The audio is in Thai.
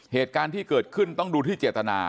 เหตุการณ์ที่เกิดขึ้นต้องดูที่เจตนา